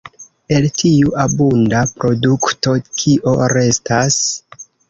El tiu abunda produkto, kio restas?